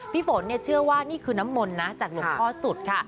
ฝนเชื่อว่านี่คือน้ำมนต์นะจากหลวงพ่อสุดค่ะ